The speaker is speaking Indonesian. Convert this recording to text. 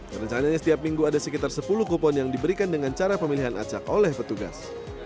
dan rencananya setiap minggu ada sekitar sepuluh kupon yang diberikan dengan cara pemilihan acak oleh petugas